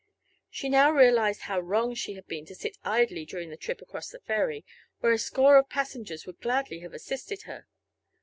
She now realized how wrong she had been to sit idly during the trip across the ferry, where a score of passengers would gladly have assisted her.